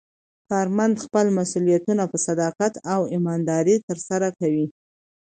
کارمند خپل مسوولیتونه په صداقت او ایماندارۍ ترسره کوي